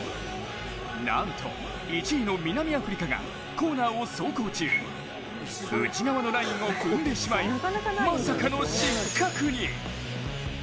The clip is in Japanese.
なんと１位の南アフリカがコーナーを走行中内側のラインを踏んでしまいまさかの失格に。